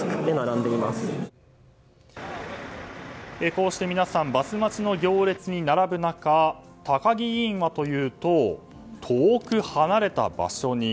こうして皆さんがバス待ちの行列に並ぶ中高木委員はというと遠く離れた場所に。